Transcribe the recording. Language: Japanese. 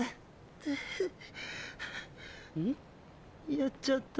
やっちゃった。